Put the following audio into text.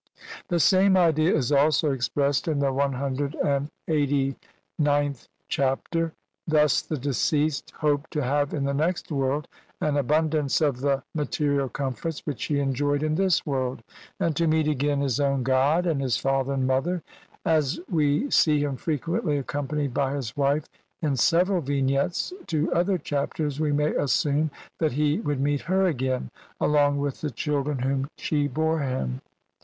" The same idea is also expressed in the CLXXXIXth Chapter (1. 7). Thus the deceased hoped to have in the next world an abundance of the ma terial comforts which he enjoyed in this world, and to meet again his own god, and his father and mother ; as we see him frequently accompanied by his wite in several Vignettes to other Chapters we may assume that he would meet her again along with the children whom she bore him.